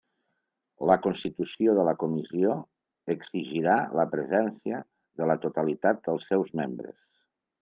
La constitució de la comissió exigirà la presència de la totalitat dels seus membres.